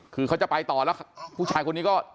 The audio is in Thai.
คือเขาจะไปต่อแล้วผู้ชายคนนี้ก็